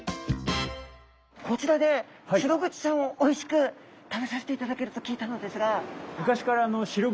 こちらでシログチちゃんをおいしく食べさせていただけると聞いたのですが。